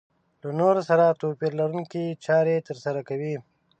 له نورو سره توپير لرونکې چارې ترسره کوي.